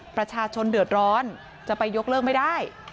ประชาชนเดือดร้อนจะไปยกเลิกไม่ได้